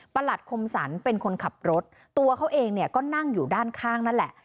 หลัดคมสรรเป็นคนขับรถตัวเขาเองเนี่ยก็นั่งอยู่ด้านข้างนั่นแหละ